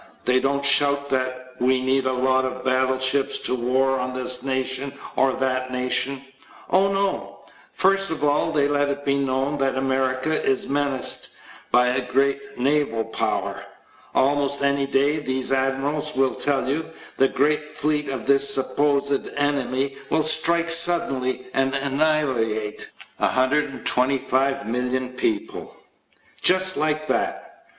They don't shout that "We need a lot of battleships to war on this nation or that nation." Oh no. First of all, they let it be known that America is menaced by a great naval power. Almost any day, these admirals will tell you, the great fleet of this supposed enemy will strike suddenly and annihilate 125,000,000 people. Just like that.